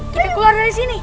kita keluar dari sini